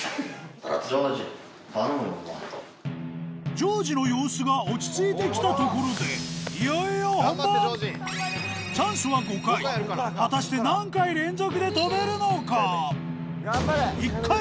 ジョージの様子が落ち着いてきたところでいよいよ果たして何回連続で跳べるのか？